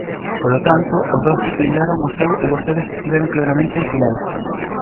Polo tanto, os vascos blindaron o seu e vostedes estiveron claramente en silencio.